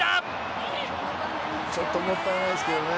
ちょっともったいないですけれどね。